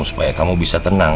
supaya kamu bisa tenang